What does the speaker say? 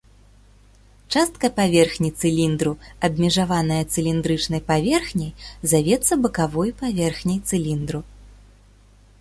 Частка паверхні цыліндру, абмежаваная цыліндрычнай паверхняй завецца бакавой паверхняй цыліндру.